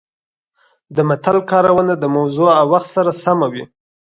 د متل کارونه د موضوع او وخت سره سمه وي